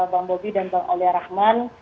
bang bobi dan bang alia rahman